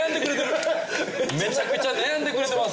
めちゃくちゃ悩んでくれてる！